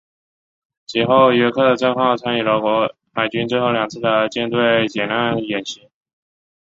及后约克镇号参与了海军最后两次的舰队解难演习。